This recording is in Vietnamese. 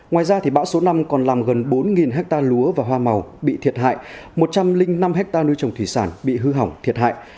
ngoài ra bão số năm còn làm gần bốn hectare lúa và hoa màu bị thiệt hại một trăm linh năm hectare nuôi trồng thủy sản bị hư hỏng thiệt hại